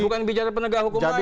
bukan bicara penegak hukum lain nih